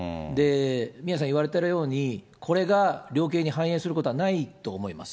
宮根さん言われてるように、これが量刑に反映することはないと思います。